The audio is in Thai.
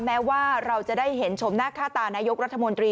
แม้ว่าเราจะได้เห็นชมหน้าค่าตานายกรัฐมนตรี